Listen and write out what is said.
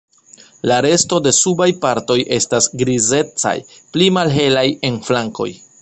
La resto de subaj partoj estas grizecaj, pli malhelaj en flankoj.